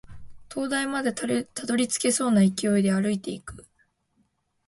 灯台までたどり着けそうな勢いで歩いていく